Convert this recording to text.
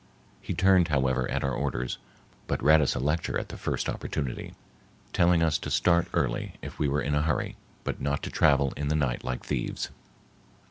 He turned, however, at our orders, but read us a lecture at the first opportunity, telling us to start early if we were in a hurry, but not to travel in the night like thieves.